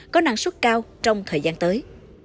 có năng suất cao trong thời gian tới